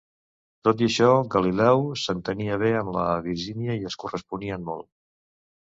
Tot i això, Galileu s"entenia bé amb la Virginia y es corresponien molt.